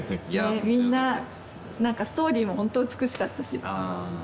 みんな何かストーリーもホント美しかったしあぁ